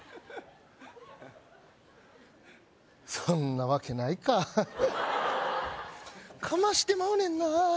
そんなわけないかハッかましてまうねんなあ